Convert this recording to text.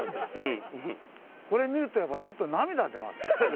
これ見るとやっぱちょっと涙出ます。